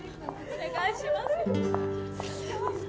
お願いします。